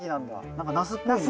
何かナスっぽいね。